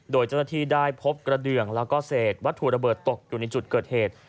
โดยเจ้าหน้าที่ได้พบกระเดืองแล้วก็เศษวัตถุระเบิดตกอยู่ในจุดเกิดเหตุ